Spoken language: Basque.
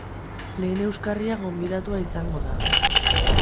Lehen euskarria gonbidatua izango da.